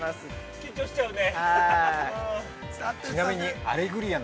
◆緊張しちゃうね。